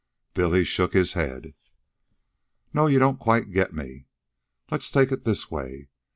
Billy shook his head. "No. You don't quite get me. Let's take it this way.